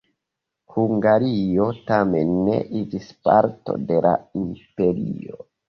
Hungario tamen ne iĝis parto de la imperio.